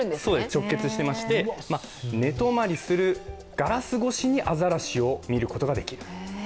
直結してまして寝泊まりするガラス越しにアザラシを見ることができる。